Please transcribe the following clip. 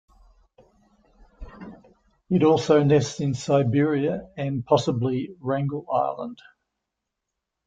It also nests in Siberia and possibly Wrangel Island.